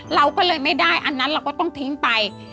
เราก็เลยไม่ได้อันนั้นเราก็ต้องทิ้งไป